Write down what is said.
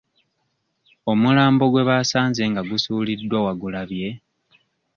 Omulambo gwe baasanze nga gusuuliddwa wagulabye?